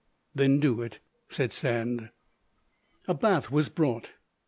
"Then do it," said Sand. A bath was brought.